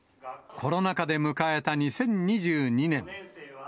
コロナ禍で迎えた２０２２年。